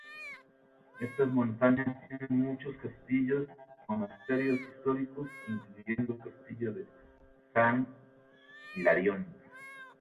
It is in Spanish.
Estas montañas tienen muchos castillos y monasterios históricos incluyendo el castillo de San Hilarión.